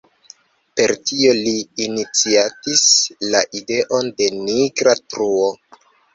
Per tio li iniciatis la ideon de nigra truo.